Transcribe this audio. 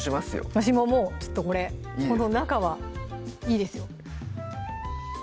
私ももうちょっとこれこの中はいいですよ